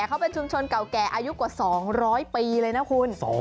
เขาเป็นชุมชนเก่าแก่อายุกว่า๒๐๐ปีเลยนะคุณ